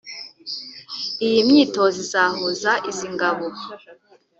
Iyi myitozo izahuza izi ngabo